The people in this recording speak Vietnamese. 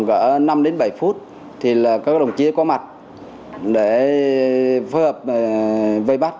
khoảng năm bảy phút các đồng chí đã có mặt để phối hợp với bắt